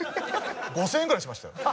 ５０００円ぐらいしましたよ。